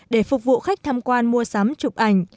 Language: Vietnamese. để phục vụ khách tham quan mua sắm chụp ảnh